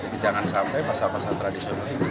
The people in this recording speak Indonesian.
jadi jangan sampai pasar pasar tradisional ini kurang